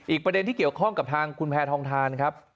ประเด็นที่เกี่ยวข้องกับทางคุณแพทองทานครับ